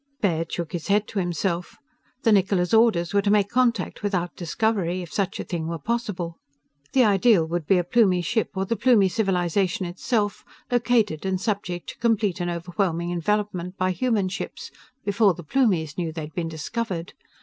_" Baird shook his head, to himself. The Niccola's orders were to make contact without discovery, if such a thing were possible. The ideal would be a Plumie ship or the Plumie civilization itself, located and subject to complete and overwhelming envelopment by human ships before the Plumies knew they'd been discovered.